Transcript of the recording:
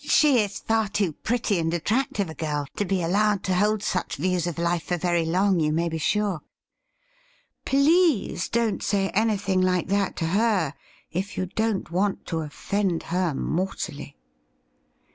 'She is far too pretty and attractive a girl to be allowed to hold such views of life for very long, you may be sure.' ' Please don't say anything like that to her, if you don't want to offend her moi tally.'